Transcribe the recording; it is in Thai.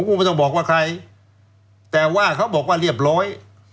ไม่ต้องบอกว่าใครแต่ว่าเขาบอกว่าเรียบร้อย